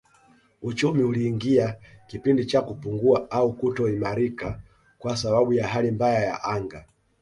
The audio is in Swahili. Uchumi uliingia kipindi cha kupungua au kutoimarika kwa sababu ya hali mbaya ya anga